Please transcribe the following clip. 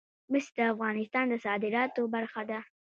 مس د افغانستان د صادراتو برخه ده.